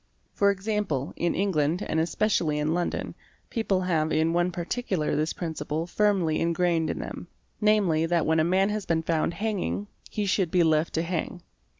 For example, in England, and especially in London, people have in one particular this principle firmly engrained in them; namely that when a man has been found hanging, he should be left to hang.